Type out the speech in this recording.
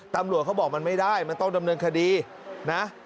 ตำรวจเขาบอกมันไม่ได้มันต้องดำเนินคดีนะ